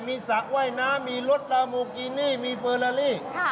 มีสระว่ายน้ำมีรถลาโมกินี่มีเฟอร์ลาลี